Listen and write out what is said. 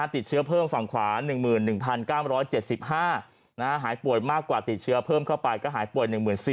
ติดเชื้อเพิ่มฝั่งขวา๑๑๙๗๕หายป่วยมากกว่าติดเชื้อเพิ่มเข้าไปก็หายป่วย๑๔๐๐